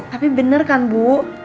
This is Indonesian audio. tapi bener kan bu